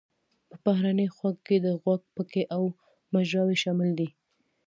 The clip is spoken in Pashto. په بهرني غوږ کې د غوږ پکې او مجراوې شاملې دي.